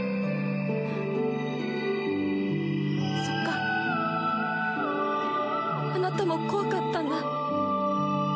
そっかあなたも怖かったんだ。